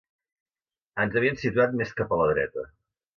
Ens havien situat més cap a la dreta